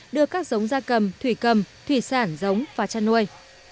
đưa các giống gia cầm thủy cầm thủy sản giống và chăn nuôi